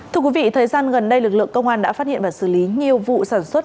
thưa quý vị thời gian gần đây lực lượng công an đã phát hiện và xử lý nhiều vụ sản xuất